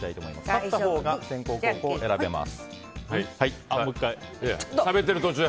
勝ったほうが先攻、後攻を選べます。